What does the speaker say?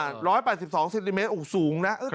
๑๘๒เซนติเมตรโอ้โหสูงนะ